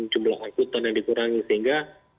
jumlah angkutan yang dikurangi sehingga